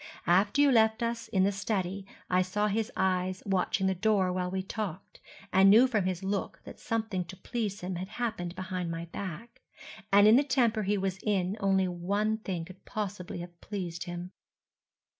After you left us in the study I saw his eyes watching the door while we talked, and knew from his look that something to please him had happened behind my back. And in the temper he was in only one thing could possibly have pleased him.